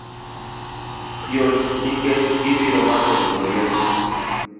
Yot nikech gibiro mako joriembo